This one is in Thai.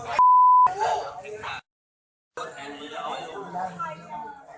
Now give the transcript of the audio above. กลับมาเช็ดตาของมอง